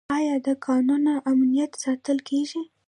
آیا د کانونو امنیت ساتل کیږي؟